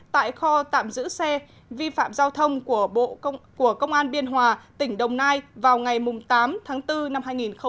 tại kho tạm giữ xe vi phạm giao thông của bộ công an biên hòa tỉnh đồng nai vào ngày tám tháng bốn năm hai nghìn một mươi bảy